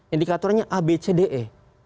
indikatornya a b c d e